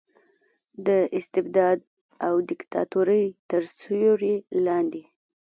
د استبداد او دیکتاتورۍ تر سیورې لاندې